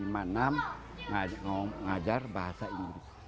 lima enam mengajar bahasa inggris